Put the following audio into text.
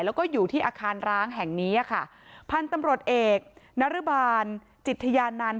แล้วก็อยู่ที่อาคารร้างแห่งนี้อ่ะค่ะพันธุ์ตำรวจเอกนรบาลจิตทยานันต์